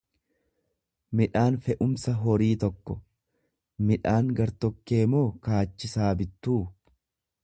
midhaan fe'umsa horii tokko; Midhaan gartokkee moo kaachisaa bittuu?